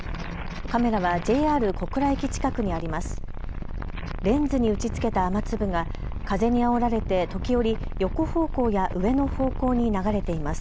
カメラはＪＲ小倉駅近くにあります。